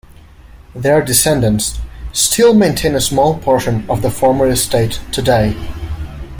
Their descendants still maintain a small portion of the former estate today.